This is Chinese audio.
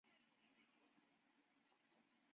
因比萨斜塔闻名于世。